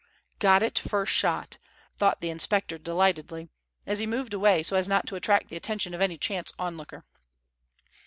"Got it first shot," thought the inspector delightedly, as he moved away so as not to attract the attention of any chance onlooker.